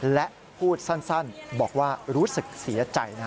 และพูดสั้นบอกว่ารู้สึกเสียใจนะ